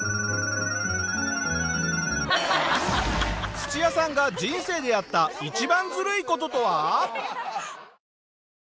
土屋さんが人生でやった一番ずるい事とは？